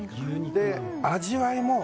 味わいも。